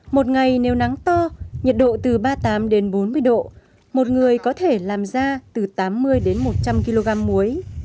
một ngày nếu nắng to nhiệt độ từ ba mươi tám đến bốn mươi độ một người có thể làm ra từ tám mươi đến một trăm linh kg muối